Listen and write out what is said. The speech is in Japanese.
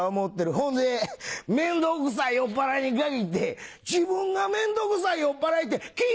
「ほんで面倒くさい酔っぱらいに限って自分が面倒くさい酔っぱらいって気ぃ